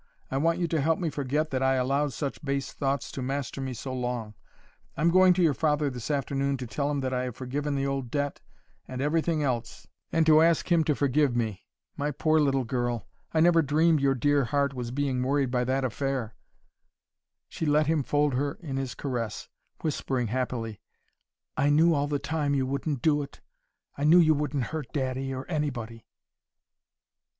I want you to help me forget that I allowed such base thoughts to master me so long. I'm going to your father this afternoon to tell him that I have forgiven the old debt, and everything else, and to ask him to forgive me. My poor little girl! I never dreamed your dear heart was being worried by that affair!" She let him fold her in his caress, whispering happily, "I knew all the time you wouldn't do it I knew you wouldn't hurt daddy, or anybody."